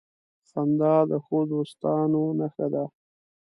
• خندا د ښو دوستانو نښه ده.